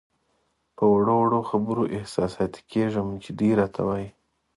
په وړو وړو خبرو احساساتي کېږم چې دی راته وایي.